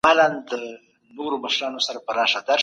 دولت باید د کلیسا تابع وي.